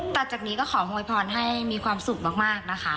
จากนี้ก็ขอโวยพรให้มีความสุขมากนะคะ